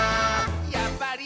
「やっぱり！